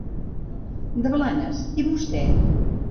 De Blanes, i vostè?